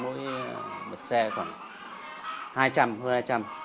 mỗi một xe khoảng hai trăm linh hơn hai trăm linh